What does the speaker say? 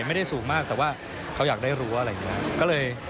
ไม่ได้สูงมากแต่ว่าเขาอยากได้รู้อะไรอย่างนี้